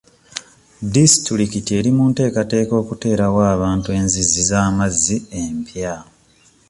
Disitulikiti eri munteekateeka okuteerawo abantu enzizi z'amazzi empya.